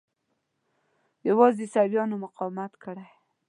یوازې عیسویانو مقاومت کړی.